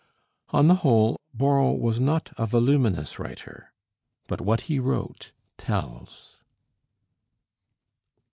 On the whole, Borrow was not a voluminous writer; but what he wrote tells.